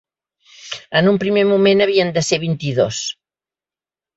En un primer moment havien de ser vint-i-dos.